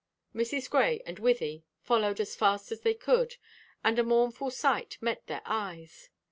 Mrs. Grey and Wythie followed as fast as they could, and a mournful sight met their eyes.